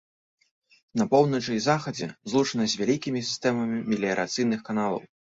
На поўначы і захадзе злучана з вялікімі сістэмамі меліярацыйных каналаў.